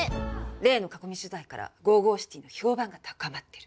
例の囲み取材からＧＯＧＯＣＩＴＹの評判が高まってる。